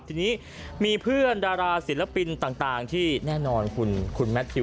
ทีนี้มีเพื่อนดาราศิลปินต่างที่แน่นอนคุณแมททิว